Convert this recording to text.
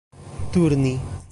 turni